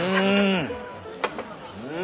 うん！